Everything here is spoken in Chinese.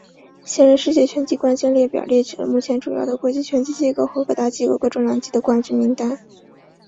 现任世界拳击冠军列表列举了目前主要的国际拳击机构和各大机构各重量级的冠军名单。